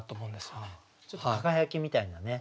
ちょっと輝きみたいなね